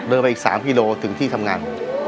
ไปอีก๓กิโลถึงที่ทำงาน